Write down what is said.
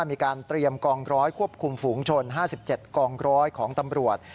มีการเตรียมกองร้อยควบคุมฝูงชน๕๗กองร้อยของตำรวจ